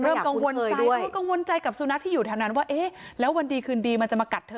กังวลใจเริ่มกังวลใจกับสุนัขที่อยู่แถวนั้นว่าเอ๊ะแล้ววันดีคืนดีมันจะมากัดเธอ